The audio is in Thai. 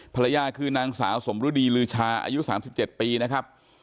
ภรรยาคือนางสาวสมรุดีลืชาอายุสามสิบเจ็ดปีนะครับ